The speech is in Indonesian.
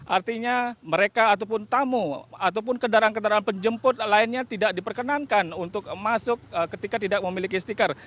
artinya mereka ataupun tamu ataupun kendaraan kendaraan penjemput lainnya tidak diperkenankan untuk masuk ketika tidak memiliki stiker